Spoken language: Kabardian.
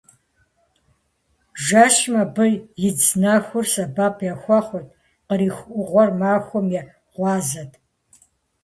Жэщым абы идз нэхур сэбэп яхуэхъурт, къриху Ӏугъуэр махуэм я гъуазэт.